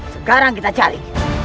sekarang kita cari